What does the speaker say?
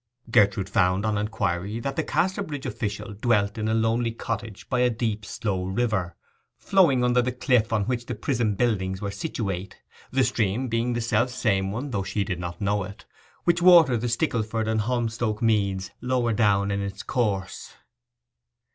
Gertrude found, on inquiry, that the Casterbridge official dwelt in a lonely cottage by a deep slow river flowing under the cliff on which the prison buildings were situate—the stream being the self same one, though she did not know it, which watered the Stickleford and Holmstoke meads lower down in its course.